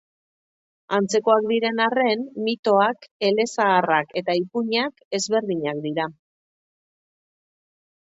Antzekoak diren arren, mitoak, elezaharrak eta ipuinak ezberdinak dira.